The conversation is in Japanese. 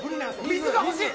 「水」が欲しい。